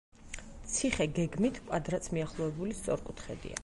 ციხე გეგმით კვადრატს მიახლოებული სწორკუთხედია.